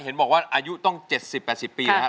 เห็นบอกว่าอายุต้อง๗๐๘๐ปีแล้วครับ